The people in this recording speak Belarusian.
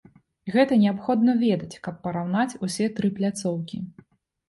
Гэта неабходна ведаць, каб параўнаць усе тры пляцоўкі.